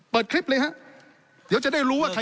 เปิดคลิปเลยฮะเดี๋ยวจะได้รู้ว่าใคร